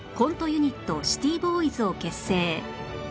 ユニットシティボーイズを結成